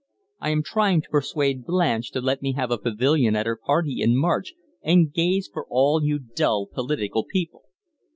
I am trying to persuade Blanche to let me have a pavilion at her party in March, and gaze for all you dull political people."